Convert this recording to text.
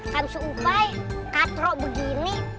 kamu suka kak tro begini